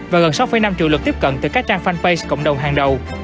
và gần sáu năm triệu lượt tiếp cận từ các trang fanpage cộng đồng hàng đầu